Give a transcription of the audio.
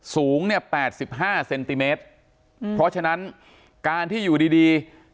สูงเนี่ย๘๕เซนติเมตรเพราะฉะนั้นการที่อยู่ดีดี